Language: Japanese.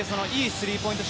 スリーポイント